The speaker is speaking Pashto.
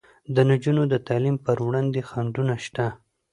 د نجونو د تعلیم پر وړاندې خنډونه شته.